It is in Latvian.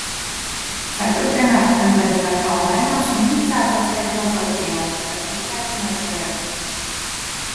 Ceturtdienā tendence atkal mainās un inficēto skaits mazliet pieaug. Bet tikai mazliet.